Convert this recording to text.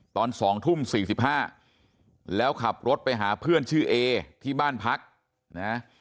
ตอน๒ทุ่ม๔๕แล้วขับรถไปหาเพื่อนชื่อเอที่บ้านพักนะ